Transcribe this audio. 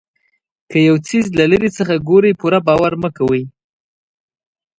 که یو څیز له لرې څخه ګورئ پوره باور مه کوئ.